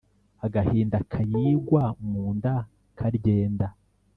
Agahinda kayigwa munda Karyenda,